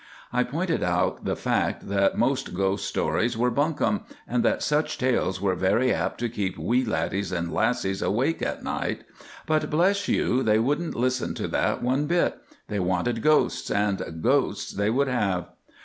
I pointed out the fact that most ghost stories were bunkum, and that such tales were very apt to keep wee laddies and lassies awake at night; but, bless you, they wouldn't listen to that one bit. They wanted ghosts, and ghosts they would have.